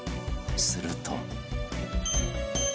すると